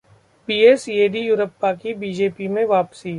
BS Yediyurappa की BJP में वापसी